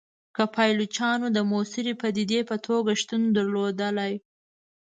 که پایلوچانو د موثري پدیدې په توګه شتون درلودلای.